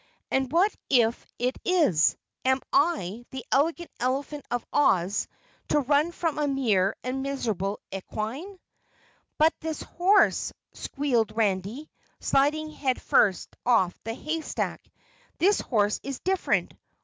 "And what if it is? Am I, the Elegant Elephant of Oz, to run from a mere and miserable equine?" "But this horse," squealed Randy, sliding head first off the haystack, "this horse is different.